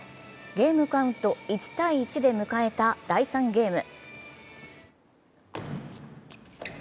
ゲームカウント１−１で迎えた第３ゲーム。